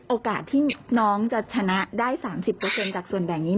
โอกาสที่น้องจะชนะได้๓๐จากส่วนแบ่งนี้